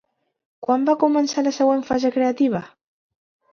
Quan va començar la següent fase creativa?